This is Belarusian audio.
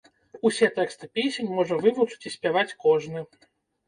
Усе тэксты песень можа вывучыць і спяваць кожны.